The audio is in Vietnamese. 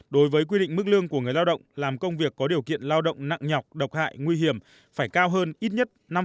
đối với quy định mức lương của người lao động làm công việc có điều kiện lao động nặng nhọc độc hại nguy hiểm phải cao hơn ít nhất năm